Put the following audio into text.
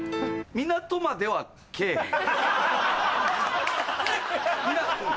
港までは来ぇへん？